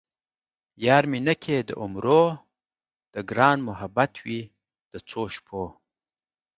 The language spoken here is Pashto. یار مې نه کئ د عمرو ـ د ګران محبت وئ د څو شپو